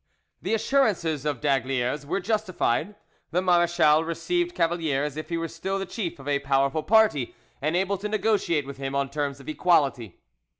The assurances of d'Aygaliers were justified. The marechal received Cavalier as if he were still the chief of a powerful party and able to negotiate with him on terms of equality.